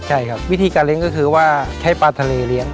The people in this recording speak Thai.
ใช่ครับวิธีการเลี้ยงก็คือว่าใช้ปลาทะเลเลี้ยง